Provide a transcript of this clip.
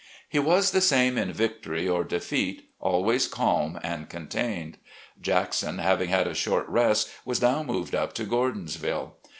He was the same in victory or defeat, always calm and contained. Jackson, having had a short rest, was now moved up to Gordonsville.